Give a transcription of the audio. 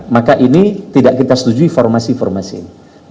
maka ini tidak kita setujui formasi formasi ini